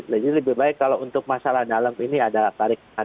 jadi lebih baik kalau untuk masalah dalam ini ada tarik kepentingan